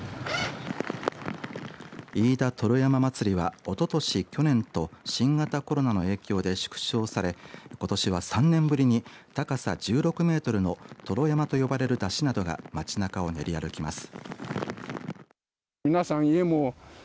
飯田燈籠山祭りはおととし、去年と新型コロナの影響で縮小されことしは３年ぶりに高さ１６メートルの燈籠山と呼ばれる山車などが町なかを練り歩きます。